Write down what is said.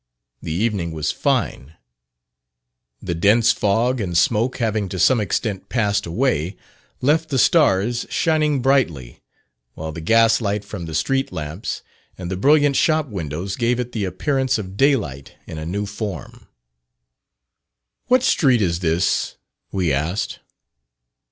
The evening was fine the dense fog and smoke having to some extent passed away, left the stars shining brightly, while the gas light from the street lamps and the brilliant shop windows gave it the appearance of day light in a new form. "What street is this?" we asked.